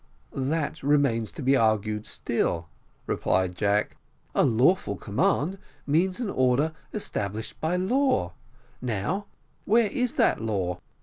"That remains to be argued still," replied Jack. "A lawful command means an order established by law; now where is that law?